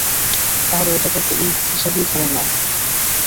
তাহলে, এটাকে একটা ইঙ্গিত হিসাবেই ধরে নাও।